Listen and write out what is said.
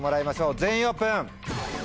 全員オープン。